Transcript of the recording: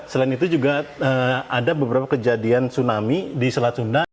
selain itu juga ada beberapa kejadian tsunami di selat sunda